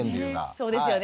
そうですよね。